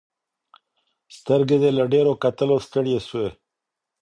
سترګې دې له ډیرو کتلو ستړي سوې.